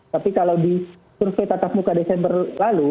tapi kalau di survei tatap muka desember lalu